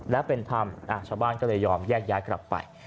และเป็นธรรมชาวบ้านก็เลยยอมแยกย้ายกลับไป